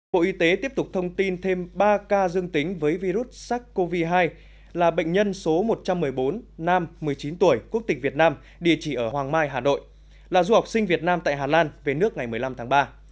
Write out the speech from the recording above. bộ y tế tiếp tục thông tin thêm ba ca dương tính với virus sars cov hai là bệnh nhân số một trăm một mươi bốn nam một mươi chín tuổi quốc tịch việt nam địa chỉ ở hoàng mai hà nội là du học sinh việt nam tại hà lan về nước ngày một mươi năm tháng ba